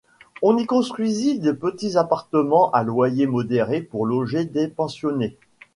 On y construisit de petits appartements à loyers modérés pour loger des pensionnés.